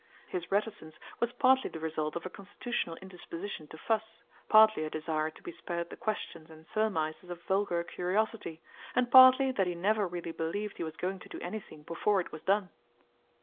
His reticence was partly the result of a constitutional indisposition to fuss, partly a desire to be spared the questions and surmises of vulgar curiosity, and partly that he never really believed he was going to do anything before it was done.